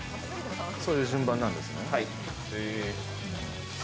そういう順番なんですね。